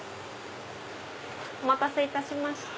お待たせいたしました。